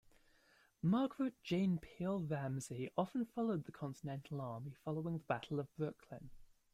Margaret Jane Peale Ramsey often followed the Continental Army following the Battle of Brooklyn.